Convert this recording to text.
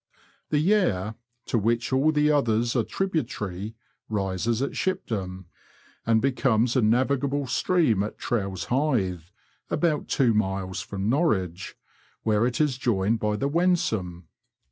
The Yare, to which all the others are tributary, rises at Shipdham, and becomes a navigable stream at Trowse Hythe, about two miles from Norwich, where it is joined by the Wensum.